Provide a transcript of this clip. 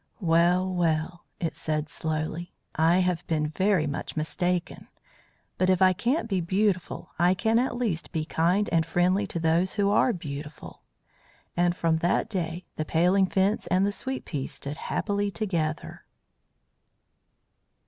"Well, well," it said slowly; "I have been very much mistaken. But if I can't be beautiful I can at least be kind and friendly to those who are beautiful." And from that day the Paling Fence and the sweet peas stood happily together.